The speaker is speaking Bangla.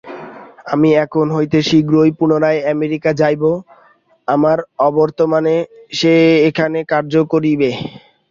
আমি এখান হইতে শীঘ্রই পুনরায় আমেরিকা যাইব, আমার অবর্তমানে সে এখানে কার্য করিবে।